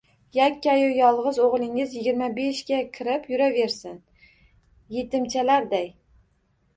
Yakka-yu yolg`iz o`g`lingiz yigirma beshga kirib yuraversin, etimchalarday